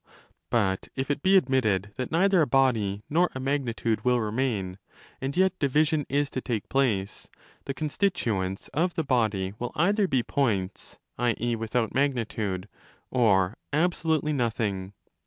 But if it be admitted that neither a body nor a magnitude will remain, and yet division! is to take place, the constituents of the body will ether be points (i.e. without magnitude) or absolutely nothing.